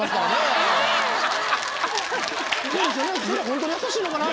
ホントに優しいのかな？